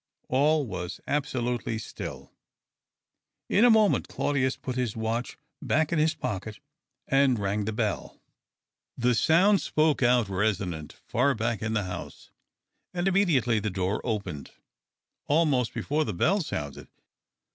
All was absolutely still. In a moment Claudius put his watch back in his pocket and rang the bell ; 310 THE OCTAVE OF CLAUDIUS. tlie sound spoke out, resonant, far back in the house. And immediately the door opened, almost before tlie bell sounded.